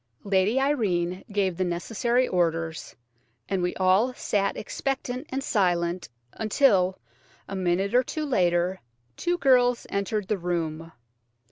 Lady Irene gave the necessary orders, and we all sat expectant and silent until, a minute or two later, two girls entered the room.